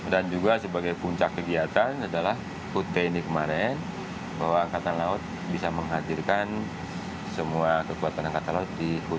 dan juga sebagai puncak kegiatan adalah kutip ini kemarin bahwa angkatan laut bisa menghadirkan semua kekuatan angkatan laut di jakarta